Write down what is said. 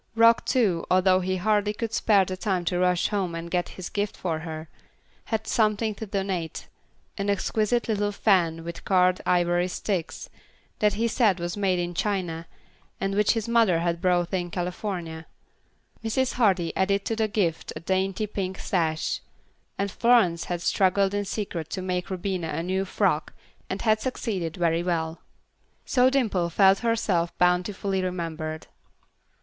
Rock, too, although he hardly could spare the time to rush home and get his gift for her, had something to donate; an exquisite little fan with carved ivory sticks, that he said was made in China, and which his mother had bought in California. Mrs. Hardy added to the gift a dainty pink sash, and Florence had struggled in secret to make Rubina a new frock, and had succeeded very well. So Dimple felt herself bountifully remembered.